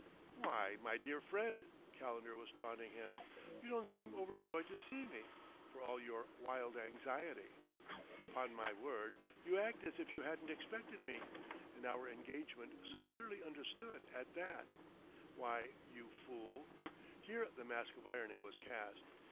"Why, my dear friend," Calendar was taunting him, "you don't seem overjoyed to see me, for all your wild anxiety! 'Pon my word, you act as if you hadn't expected me and our engagement so clearly understood, at that! ... Why, you fool!" here the mask of irony was cast.